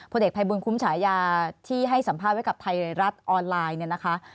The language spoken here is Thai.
เด็กภัยบุญคุ้มฉายาที่ให้สัมภาษณ์ไว้กับไทยรัฐออนไลน์เนี่ยนะคะ